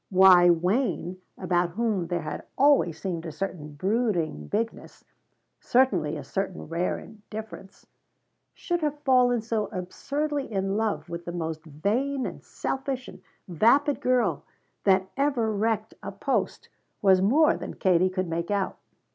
Why Wayne, about whom there had always seemed a certain brooding bigness, certainly a certain rare indifference, should have fallen so absurdly in love with the most vain and selfish and vapid girl that ever wrecked a post was more than Katie could make out.